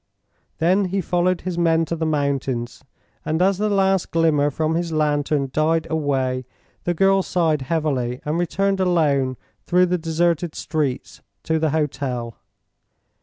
Then he followed his men to the mountains, and as the last glimmer from his lantern died away the girl sighed heavily and returned alone through the deserted streets to the hotel.